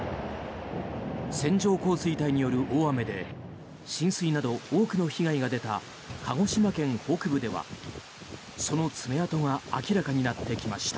線状降水帯による大雨で浸水など多くの被害が出た鹿児島県北部では、その爪痕が明らかになってきました。